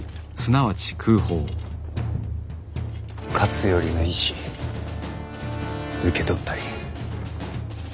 勝頼の意思受け取ったり。